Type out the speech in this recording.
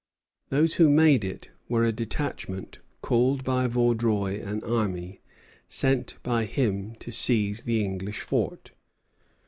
Those who made it were a detachment, called by Vaudreuil an army, sent by him to seize the English fort.